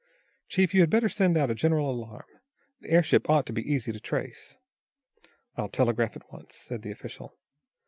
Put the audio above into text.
Chief, you had better send out a general alarm. The airship ought to be easy to trace." "I'll telegraph at once," said the official.